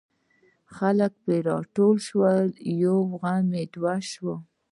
خلک پر راټول شول یو غم دوه شو.